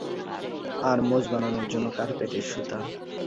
আর মোঁচ বানানোর জন্য কার্পেটের সুতা।